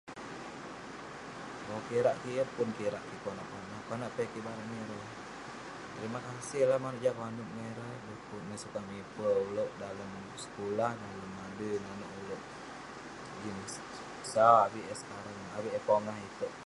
Kirak kik..yeng pun kirak kik konak konak..konak piak kiik barak niik erey, terima kasih lah monak jian konep ngan ireh..pu'kuk neh sukat mipe ulouk, dalem sekulah, dalem adui nanouk ulouk..jin sau avik eh sekarang..avik eh pongah itouk